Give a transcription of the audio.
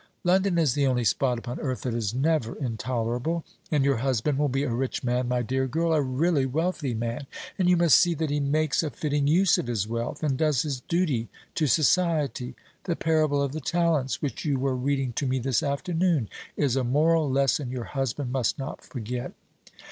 London is the only spot upon earth that is never intolerable. And your husband will be a rich man, my dear girl, a really wealthy man; and you must see that he makes a fitting use of his wealth, and does his duty to society. The parable of the Talents, which you were reading to me this afternoon, is a moral lesson your husband must not forget."